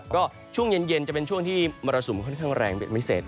ก็ช่วงเย็นจะเป็นช่วงที่มรสุมค่อนข้างแรงเป็นพิเศษ